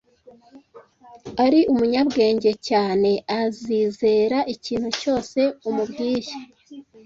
Ari umunyabwenge cyane azizera ikintu cyose umubwiye.